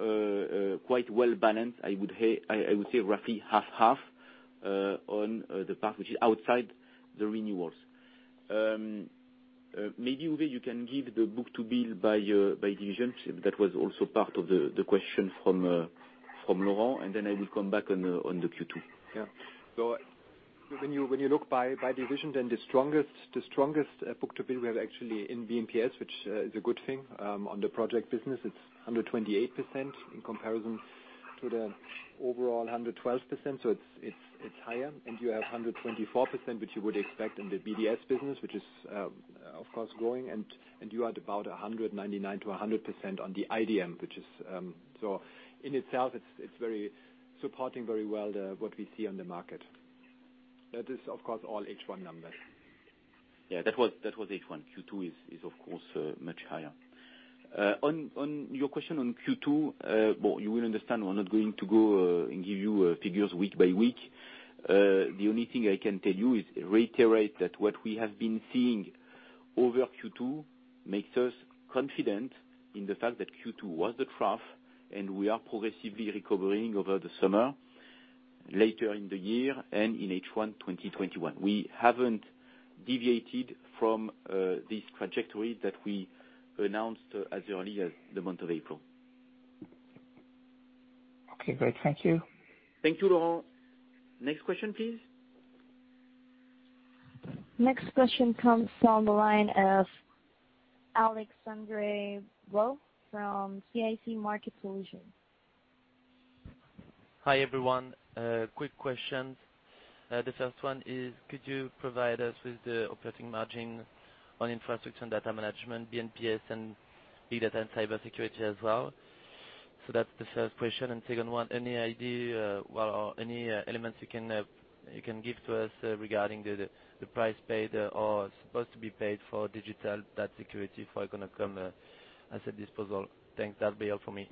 quite well balanced. I would say, I would say roughly 50/50 on the part which is outside the renewals. Maybe, Uwe, you can give the book-to-bill by division. That was also part of the question from Laurent, and then I will come back on the Q2. Yeah. So when you look by division, then the strongest book-to-bill we have actually in B&PS, which is a good thing. On the project business, it's 128% in comparison to the overall 112%. So it's higher, and you have 124%, which you would expect in the BDS business, which is, of course, growing. And you had about 99%-100% on the IDM, which is. So in itself, it's very supporting very well, the what we see on the market. That is, of course, all H1 numbers. Yeah. That was H1. Q2 is of course much higher. On your question on Q2, well, you will understand we're not going to go and give you figures week by week. The only thing I can tell you is reiterate that what we have been seeing over Q2 makes us confident in the fact that Q2 was the trough, and we are progressively recovering over the summer, later in the year and in H1 2021. We haven't deviated from this trajectory that we announced as early as the month of April. Okay, great. Thank you. Thank you, Laurent. Next question, please. Next question comes from the line of Alexandre Faure from CIC Market Solutions. Hi, everyone. Quick questions. The first one is, could you provide us with the operating margin on infrastructure and data management, BPS and big data and cybersecurity as well? So that's the first question. And second one, any idea, well, or any elements you can give to us regarding the price paid or supposed to be paid for Digital Security from Econocom as a disposal? Thanks. That will be all for me.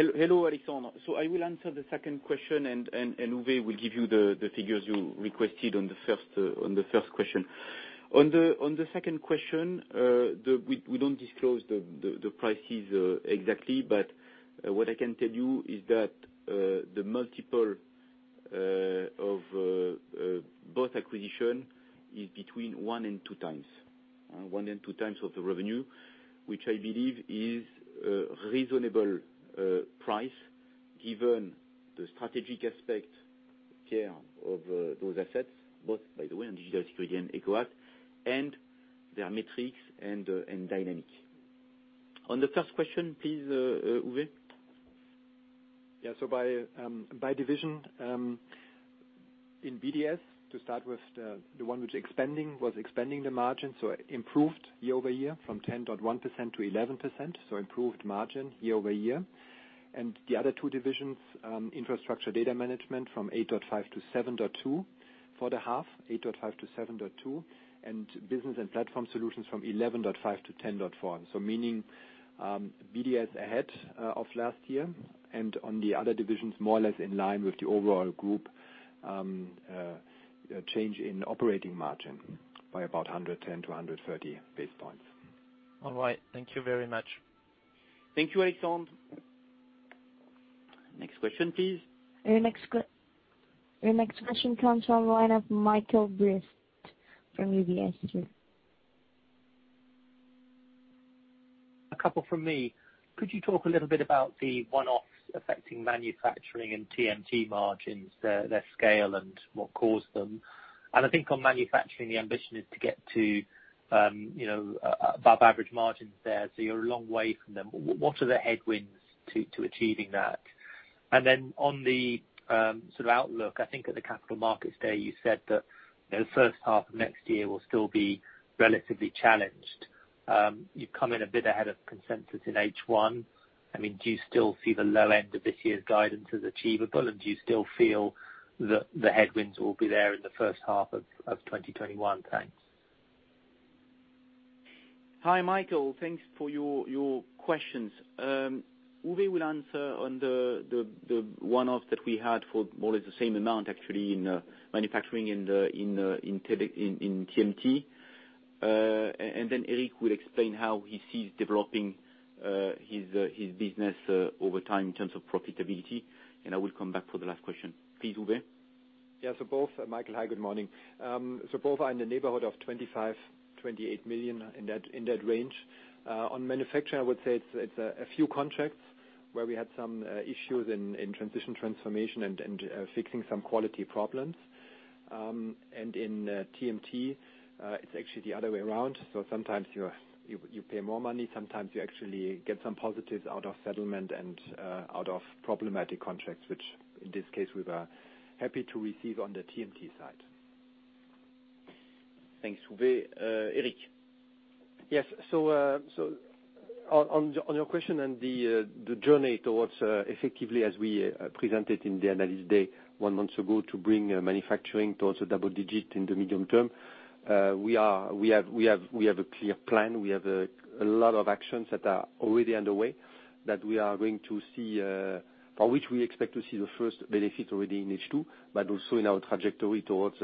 Hello, Alexandre. I will answer the second question, and Uwe will give you the figures you requested on the first question. On the second question, we don't disclose the prices exactly, but what I can tell you is that the multiple of both acquisition is between 1-2x, 1-2x of the revenue, which I believe is a reasonable price, given the strategic aspect here of those assets, both, by the way, on Digital Security and EcoAct, and their metrics and dynamic. On the first question, please, Uwe? Yeah. So by division, in BDS, to start with, the one which was expanding the margin, so improved year-over-year from 10.1%-11%, so improved margin year-over-year. And the other two divisions, infrastructure data management from 8.5%-7.2% for the half, and business and platform solutions from 11.5%-10.4%. So meaning, BDS ahead of last year, and on the other divisions, more or less in line with the overall group change in operating margin by about 110-130 basis points. All right. Thank you very much. Thank you, Alexandre. Next question, please. Your next question comes from the line of Michael Briest from UBS. A couple from me. Could you talk a little bit about the one-offs affecting manufacturing and TMT margins, their scale and what caused them? And I think on manufacturing, the ambition is to get to, you know, above average margins there, so you're a long way from them. What are the headwinds to achieving that? And then on the sort of outlook, I think at the Capital Markets Day, you said that, you know, the first half of next year will still be relatively challenged. You've come in a bit ahead of consensus in H1. I mean, do you still see the low end of this year's guidance as achievable, and do you still feel that the headwinds will be there in the first half of 2021? Thanks. Hi, Michael. Thanks for your questions. Uwe will answer on the one-off that we had for more or less the same amount, actually, in manufacturing and TMT. And then Eric will explain how he sees developing his business over time in terms of profitability, and I will come back for the last question. Please, Uwe? Yeah, so both Michael, hi, good morning. So both are in the neighborhood of 25 million-28 million, in that range. On manufacturing, I would say it's a few contracts where we had some issues in transition transformation and fixing some quality problems. And in TMT, it's actually the other way around. So sometimes you pay more money, sometimes you actually get some positives out of settlement and out of problematic contracts, which in this case, we were happy to receive on the TMT side. Thanks, Uwe. Eric? Yes. So on your question and the journey towards effectively, as we presented in the Analyst Day one month ago, to bring manufacturing towards a double-digit in the medium term, we have a clear plan. We have a lot of actions that are already underway that we are going to see or which we expect to see the first benefit already in H2, but also in our trajectory towards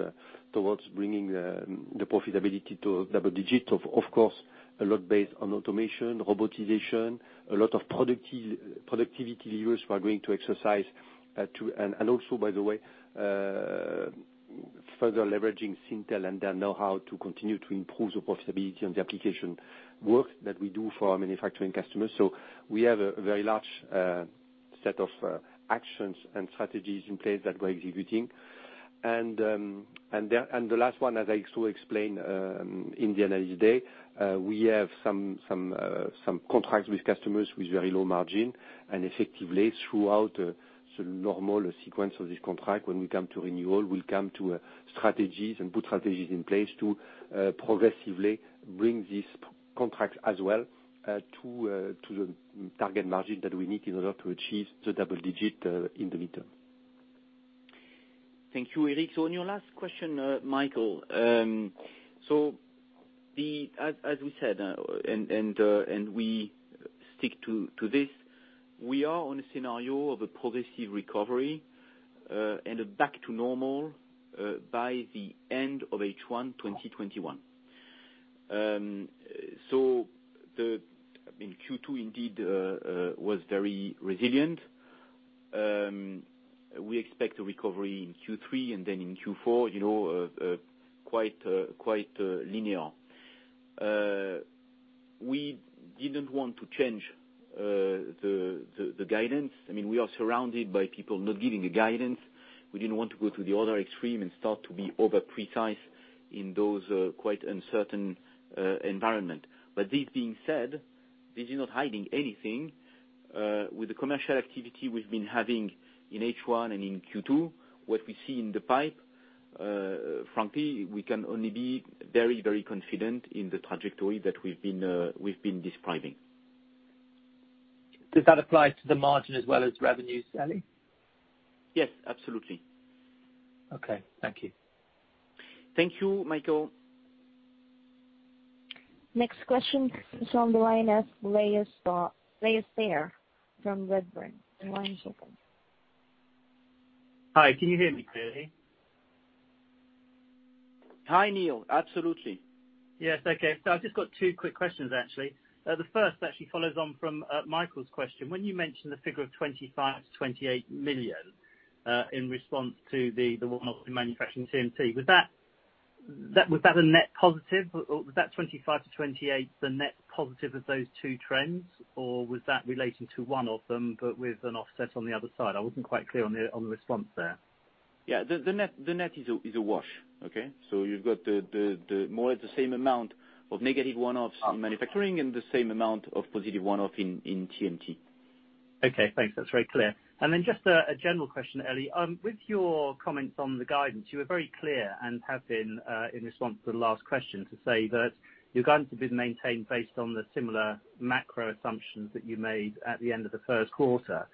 bringing the profitability to double digits. Of course a lot based on automation, robotization, a lot of productivity reviews we are going to exercise, and also by the way further leveraging Syntel and their know-how to continue to improve the profitability on the application work that we do for our manufacturing customers. So we have a very large set of actions and strategies in place that we're executing. And then, the last one, as I also explained in the Analyst Day, we have some contracts with customers with very low margin, and effectively, throughout the normal sequence of this contract, when we come to renewal, we put strategies in place to progressively bring these contracts as well to the target margin that we need in order to achieve the double-digit in the midterm. Thank you, Eric. So on your last question, Michael, so the, as we said, and we stick to this, we are on a scenario of a progressive recovery, and a back to normal, by the end of H1 2021. So the, I mean, Q2 indeed was very resilient. We expect a recovery in Q3, and then in Q4, you know, quite linear. We didn't want to change the guidance. I mean, we are surrounded by people not giving a guidance. We didn't want to go to the other extreme and start to be over-precise in those quite uncertain environment. But this being said, this is not hiding anything. With the commercial activity we've been having in H1 and in Q2, what we see in the pipe, frankly, we can only be very, very confident in the trajectory that we've been describing. Does that apply to the margin as well as revenues, Eric? Yes, absolutely. Okay. Thank you. Thank you, Michael. Next question is on the line, Neil Steer from Redburn. The line is open. Hi, can you hear me clearly?... Hi, Neil. Absolutely. Yes. Okay, so I've just got two quick questions, actually. The first actually follows on from Michael's question. When you mentioned the figure of 25 million-28 million in response to the one-off in Manufacturing TMT, was that a net positive, or was that 25-28, the net positive of those two trends? Or was that relating to one of them, but with an offset on the other side? I wasn't quite clear on the response there. Yeah, the net is a wash, okay? So you've got the more at the same amount of negative one-offs in manufacturing, and the same amount of positive one-off in TMT. Okay, thanks. That's very clear. And then just a general question, Elie. With your comments on the guidance, you were very clear and have been in response to the last question, to say that your guidance has been maintained based on the similar macro assumptions that you made at the end of the Q1.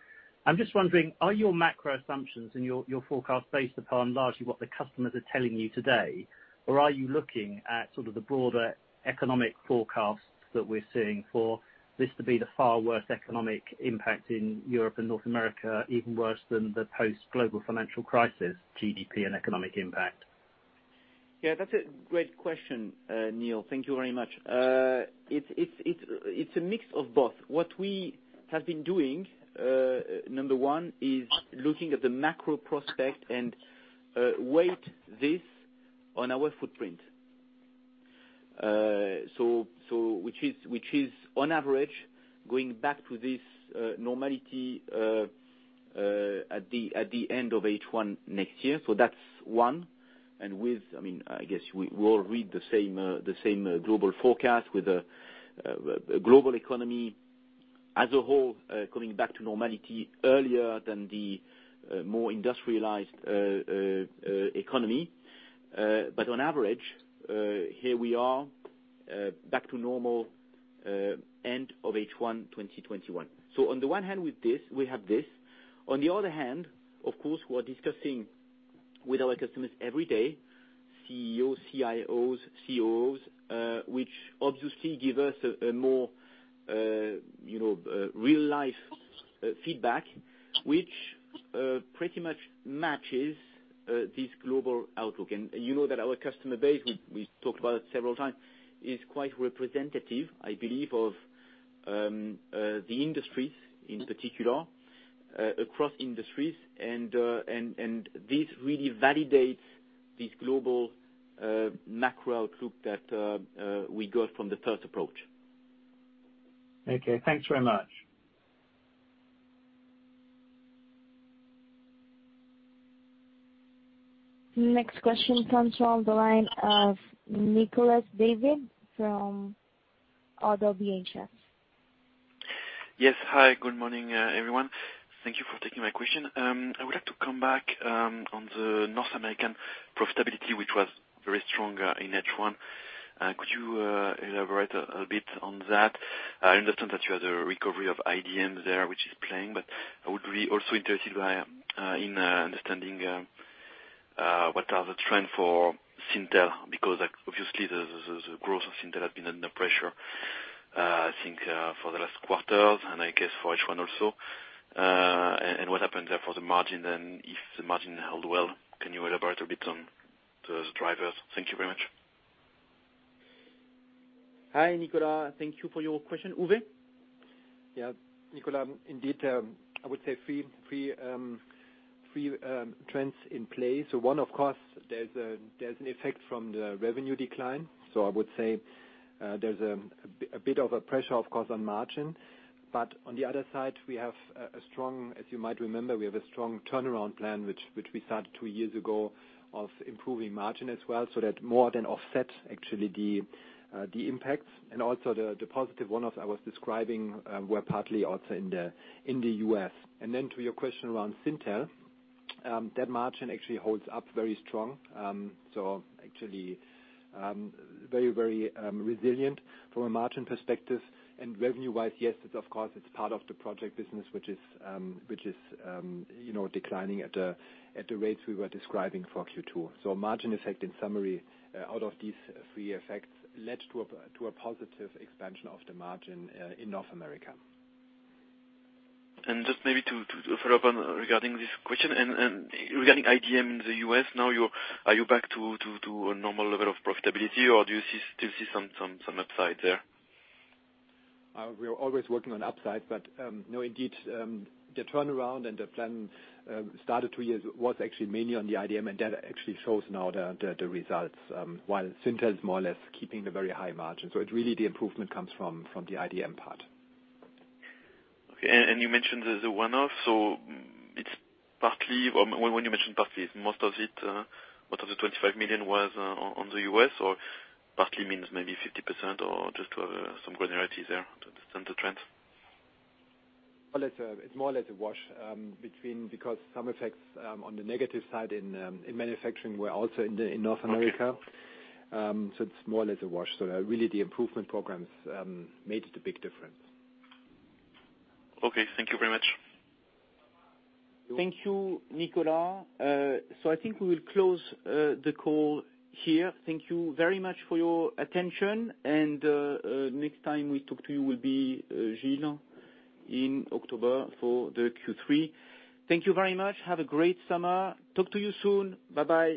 I'm just wondering, are your macro assumptions and your forecast based upon largely what the customers are telling you today? Or are you looking at sort of the broader economic forecasts that we're seeing for this to be the far worst economic impact in Europe and North America, even worse than the post-global financial crisis, GDP and economic impact? Yeah, that's a great question, Neil. Thank you very much. It's a mix of both. What we have been doing, number one, is looking at the macro perspective and weigh this on our footprint. So which is on average going back to this normality at the end of H1 next year. So that's one. And with. I mean, I guess we all read the same global forecast with the global economy as a whole coming back to normality earlier than the more industrialized economy, but on average here we are back to normal end of H1, 2021. So on the one hand, with this, we have this. On the other hand, of course, we are discussing with our customers every day, CEOs, CIOs, COOs, which obviously give us a more, you know, real-life feedback, which pretty much matches this global outlook. And you know that our customer base, we talked about it several times, is quite representative, I believe, of the industries in particular, across industries. And this really validates this global macro group that we got from the first approach. Okay, thanks very much. Next question comes from the line of Nicolas David, from Oddo BHF. Yes. Hi, good morning, everyone. Thank you for taking my question. I would like to come back on the North American profitability, which was very strong in H1. Could you elaborate a bit on that? I understand that you had a recovery of IDM there, which is playing, but I would be also interested in understanding what are the trend for Syntel? Because, like, obviously, the growth of Syntel has been under pressure, I think, for the last quarters, and I guess for H1 also. And what happened there for the margin, and if the margin held well, can you elaborate a bit on the drivers? Thank you very much. Hi, Nicolas. Thank you for your question. Uwe? Yeah, Nicolas, indeed, I would say three trends in play. So one, of course, there's an effect from the revenue decline. So I would say, there's a bit of a pressure, of course, on margin. But on the other side, we have a strong, as you might remember, we have a strong turnaround plan, which we started two years ago, of improving margin as well. So that more than offset actually the impacts, and also the positive one-off I was describing were partly also in the U.S. And then to your question around Syntel, that margin actually holds up very strong. So actually, very, very resilient from a margin perspective. Revenue-wise, yes, it's of course, it's part of the project business, which is, you know, declining at the rates we were describing for Q2. Margin effect, in summary, out of these three effects, led to a positive expansion of the margin in North America. And just maybe to follow up on regarding this question, and regarding IDM in the U.S. now, are you back to a normal level of profitability, or do you still see some upside there? We are always working on upside, but no, indeed, the turnaround and the plan started two years, was actually mainly on the IDM, and that actually shows now the results, while Syntel is more or less keeping the very high margin. So it really, the improvement comes from the IDM part. Okay. And you mentioned the one-off, so it's partly. Well, when you mention partly, it's most of it, most of the $25 million was in the U.S., or partly means maybe 50%, or just to have some granularity there to understand the trend. It's more or less a wash between because some effects on the negative side in manufacturing were also in North America. Okay. So it's more or less a wash. So really, the improvement programs made the big difference. Okay, thank you very much. Thank you, Nicolas. So I think we will close the call here. Thank you very much for your attention, and next time we talk to you will be June, in October for the Q3. Thank you very much. Have a great summer. Talk to you soon. Bye-bye.